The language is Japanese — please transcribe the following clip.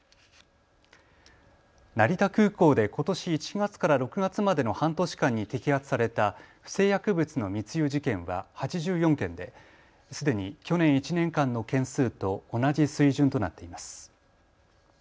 成田空港でことし１月から６月までの半年間に摘発された不正薬物の密輸事件は８４件ですでに去年１年間の件数と同じ水準となっています。